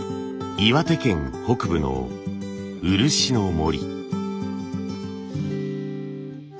岩手県北部の漆の森。